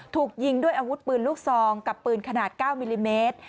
ถูกยิงด้วยอาวุธปืนลูกซองกับปืนขนาด๙มิลลิเมตร